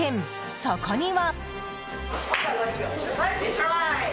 そこには。